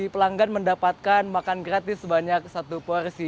mereka akan mendapatkan makan gratis sebanyak satu porsi